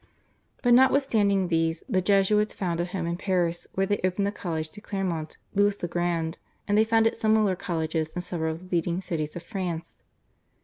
But notwithstanding these the Jesuits found a home in Paris, where they opened the College de Clermont (Louis le Grand), and they founded similar colleges in several of the leading cities of France.